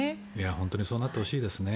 本当にそうなってほしいですね。